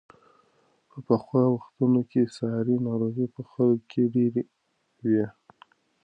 په پخوا وختونو کې ساري ناروغۍ په خلکو کې ډېرې وې.